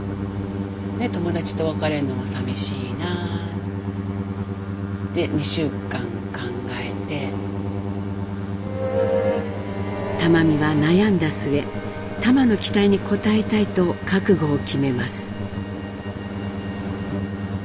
友達と別れるのもさみしいなぁって玉美は悩んだ末タマの期待に応えたいと覚悟を決めます。